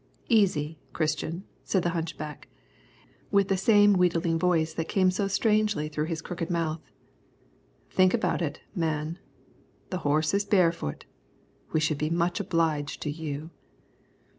"Easy, Christian," said the hunchback, with the same wheedling voice that came so strangely through his crooked mouth. "Think about it, man. The horse is barefoot. We should be much obliged to you."